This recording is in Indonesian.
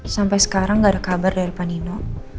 sampai sekarang gak ada kabar dari pak nino